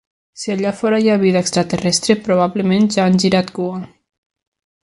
Si allà fora hi ha vida extraterrestre, probablement ja han girat cua.